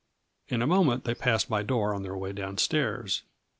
In a mo ment they passed my door on their way down stairs.